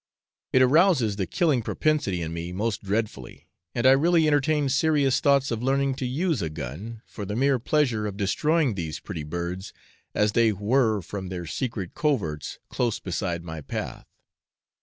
It arouses the killing propensity in me most dreadfully, and I really entertain serious thoughts of learning to use a gun, for the mere pleasure of destroying these pretty birds as they whirr from their secret coverts close beside my path.